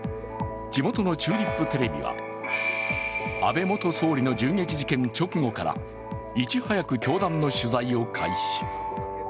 地元のチューリップテレビは安倍元総理の銃撃事件直後からいち早く教団の取材を開始。